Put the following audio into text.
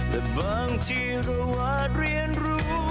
แต่บางทีเราอาจเรียนรู้